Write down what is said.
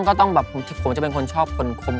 ก็ต้องแบบผมจะเป็นคนชอบคนคม